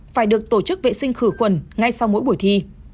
phải được tổ chức vệ sinh khử khuẩn ngay sau mỗi buổi thi